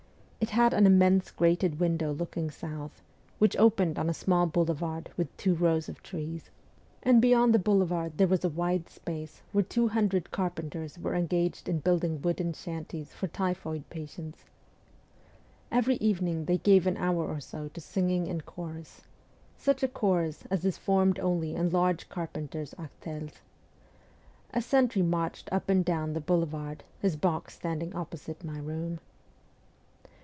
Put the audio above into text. It had an immense grated window looking south, which opened on a small boulevard with two rows of trees ; .and beyond 166 MEMOIRS OF A REVOLUTIONIST the boulevard there was a wide space where two hundred carpenters were engaged in building wooden shanties for typhoid patients. Every evening they gave an hour or so to singing in chorus such a chorus as is formed only in large carpenters' artels. A sentry marched up and down the boulevard, his box standing opposite my room.